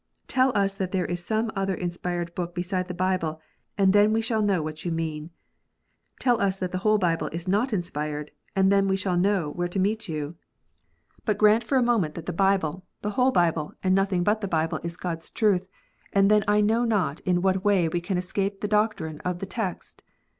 Tell us that there is some other inspired book beside the Bible, and then we shall know what you mean. Tell us that the whole Bible is not inspired, and then we shall know where to meet you. But grant for a ONLY ONE WAY OF SALVATION. 41 moment that the Bible, the whole Bible, and nothing but the Bible is God s truth, and then I know not in what way we can escape the doctrine of the text.